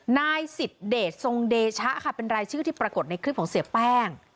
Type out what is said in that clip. นายสิทธิเดชทรงเดชะค่ะเป็นรายชื่อที่ปรากฏในคลิปของเสียแป้ง